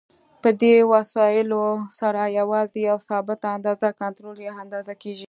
په دې وسایلو سره یوازې یوه ثابته اندازه کنټرول یا اندازه کېږي.